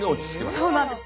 そうなんです。